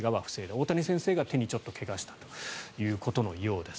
大谷先生が手にちょっと怪我をしたということです。